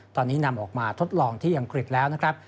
ตอนนี้นำออกมาทดลองที่อังกฤษแล้วนะครับ